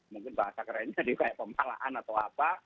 mungkin bahasa kerennya dikaitkan kepemalaan atau apa